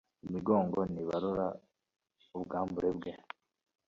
imigongo ntibarora ubwambure bwe